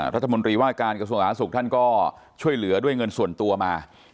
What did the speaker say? รัฐมนตรีว่าการกระทสุกฯท่านก็ช่วยเหลือด้วยเงินส่วนตัวมา